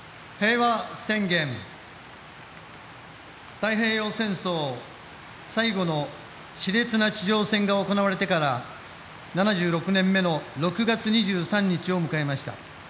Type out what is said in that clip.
太平洋戦争最後のしれつな地上戦が行われてから７６年目の６月２３日を迎えました。